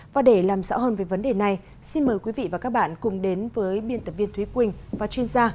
và để làm rõ hơn về vấn đề này xin mời quý vị và các bạn cùng đến với biên tập viên thúy quỳnh và chuyên gia